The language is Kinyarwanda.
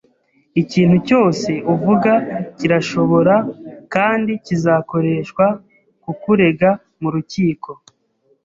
Ikintu cyose uvuga kirashobora kandi kizakoreshwa kukurega murukiko.